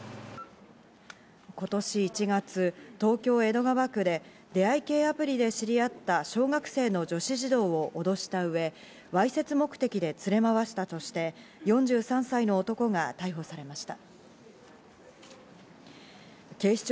今年１月、東京・江戸川区で出会い系アプリで知り合った小学生の女子児童をおどしたうえ、わいせつ目的で連れ回したとして、４３歳の男が逮捕されました。